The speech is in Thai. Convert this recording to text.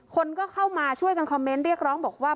คนก็เข้ามาช่วยกันคอมเมนต์เรียกร้องบอกว่า